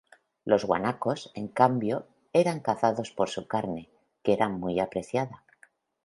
Los guanacos, en cambio, eran cazados por su carne, que era muy apreciada.